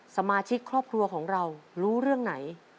สมาชิกครอบครัวของเรารู้เรื่องไหน